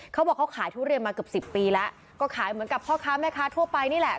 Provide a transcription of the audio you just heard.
เขาบอกเขาขายทุเรียนมาเกือบสิบปีแล้วก็ขายเหมือนกับพ่อค้าแม่ค้าทั่วไปนี่แหละ